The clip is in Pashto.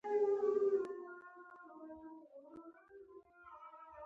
تنه یې د زمري او سر یې د انسان و.